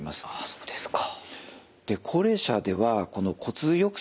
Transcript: そうですか。